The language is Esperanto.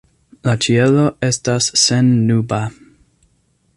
La ĉielo estas sennuba.